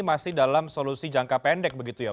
masih dalam solusi jangka pendek begitu ya